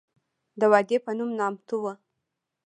د وادي پنوم نامتو وه.